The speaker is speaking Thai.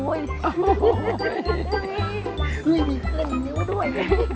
อู๊ยดีขึ้นมึงด้วย